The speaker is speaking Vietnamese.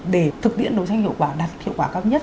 để thực tiễn đấu tranh hiệu quả đạt hiệu quả cao nhất